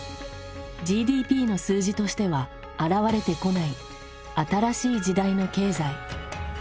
ＧＤＰの数字としては表れてこない新しい時代の経済。